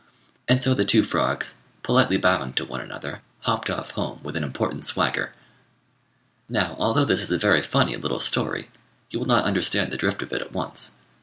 And so the two frogs, politely bowing to one another, hopped off home with an important swagger. Now, although this is a very funny little story, you will not understand the drift of it at once.